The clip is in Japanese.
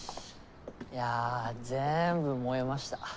いやぜんぶ燃えました。